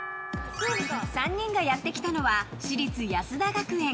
３人がやってきたのは私立安田学園。